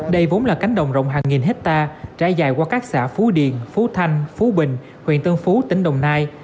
đây vốn là cánh đồng rộng hàng nghìn hectare trải dài qua các xã phú điền phú thanh phú bình huyện tân phú tỉnh đồng nai